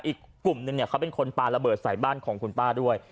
อีกกลุ่มนึงเนี่ยเขาเป็นคนปลาระเบิดใส่บ้านของคุณป้าด้วย